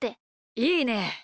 いいね！